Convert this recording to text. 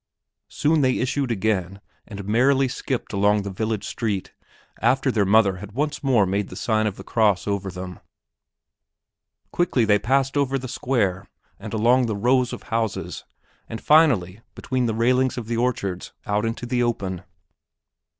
Soon they issued again and merrily skipped along the village street, after their mother had once more made the sign of the cross over them. Quickly they passed over the square and along the rows of houses, and finally between the railings of the orchards out into the open.